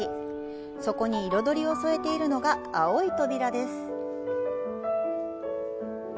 そこに彩りを添えているのが青い扉です。